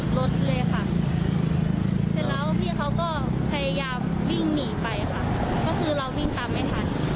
เสร็จแล้วพี่เขาก็พยายามวิ่งหนีไปค่ะเพราะคือเราวิ่งตามไม่ทัน